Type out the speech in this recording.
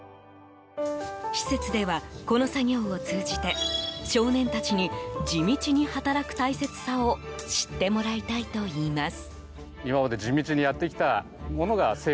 施設では、この作業を通じて少年たちに、地道に働く大切さを知ってもらいたいといいます。